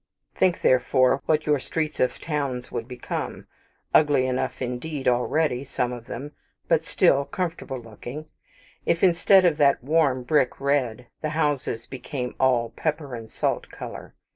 Think, therefore, what your streets of towns would become ugly enough, indeed, already, some of them, but still comfortable looking if instead of that warm brick red, the houses became all pepper and salt colour.